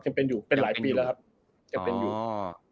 ยังเป็นอยู่เป็นหลายปีแล้วครับจำเป็นอยู่